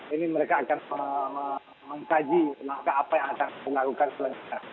ini mereka akan mengkaji langkah apa yang akan dilakukan selanjutnya